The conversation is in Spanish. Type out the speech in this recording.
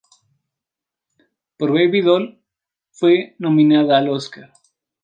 Por "Baby Doll" fue nominada al Óscar.